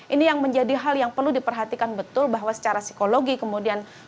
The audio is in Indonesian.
ini yang menjadi hal yang perlu diperhatikan betul bahwa secara psikologi kemudian